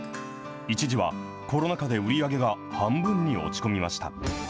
一時は、コロナ禍で売り上げが半分に落ち込みました。